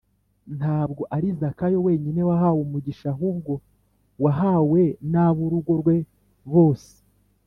” ntabwo ari zakayo wenyine wahawe umugisha, ahubwo wahawe n’ab’urugo rwe bose